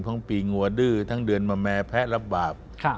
พร้องปีงัวดื้อทั้งเดือนมะแมวแพะรับบาป